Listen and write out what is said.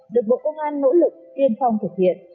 được bộ công an nỗ lực tiên phong thực hiện